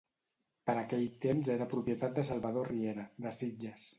Per aquell temps era propietat de Salvador Riera, de Sitges.